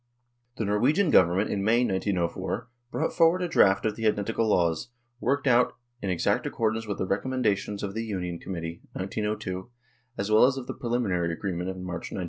The Norwegian Government in May, 1904, brought forward a draft of the identical laws, worked out in exact accord with the recommendations of the Union Committee (1902) as well as of the preliminary agree ment of March, 1903.